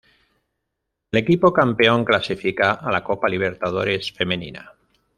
El equipo campeón clasifica a la Copa Libertadores Femenina.